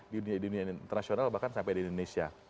dunia dunia internasional bahkan sampai di indonesia